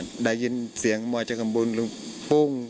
ฟังว่าได้ยินเสียงมวยเจคะมี่ปุ้ง